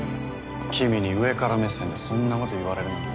君に上から目線でそんなこと言われるなんて。